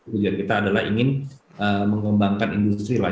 tujuan kita adalah ingin mengembangkan industri lah